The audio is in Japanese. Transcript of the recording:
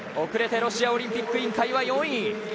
遅れてロシアオリンピック委員会は４位。